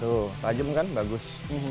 tuh tajam kan bagus